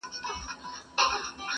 چي له ما یې پاته کړی کلی کور دی٫